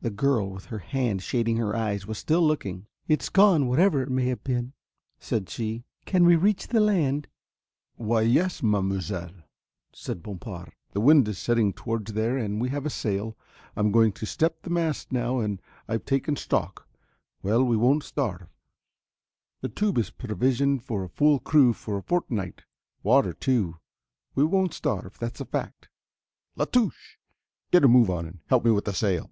The girl with her hand shading her eyes was still looking. "It's gone, whatever it may have been," said she, "can we reach the land?" "Why, yes, mademoiselle," said Bompard, "the wind is setting towards there and we have a sail, I am going to step the mast now when I've taken stock well, we won't starve. The tube is provisioned for a full crew for a fortnight, water too, we won't starve, that's a fact. La Touche, get a move on and help me with the sail."